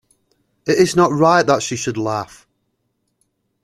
It is not right that she should laugh!